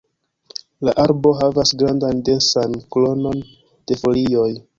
La arbo havas grandan, densan kronon de folioj.